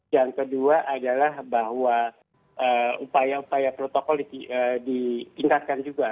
yang kedua adalah bahwa upaya upaya protokol ditingkatkan juga